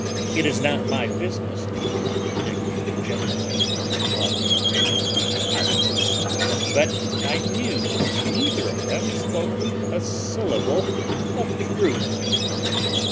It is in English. It is not my business to contradict gentlemen while they are drinking in my house; but I knew neither of them spoke a syllable of truth."